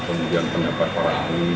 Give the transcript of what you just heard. kemudian pendapat para anggota juga